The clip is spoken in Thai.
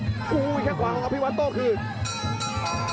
อีกแค่ขวาของพี่วัตโตคือ